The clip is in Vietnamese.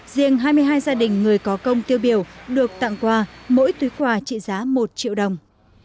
riêng hai mươi hai gia đình người có công tiêu biểu được tặng quà mỗi túi quà trị giá một triệu đồng